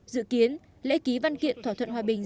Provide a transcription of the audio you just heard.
dự kiến lễ ký văn kiện thỏa thuận hòa bình